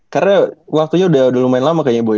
karena waktunya udah lumayan lama kayaknya ya boy